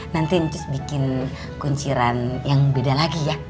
nanti bikin kunciran yang beda lagi ya